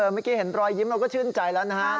เมื่อกี้เห็นรอยยิ้มเราก็ชื่นใจแล้วนะฮะ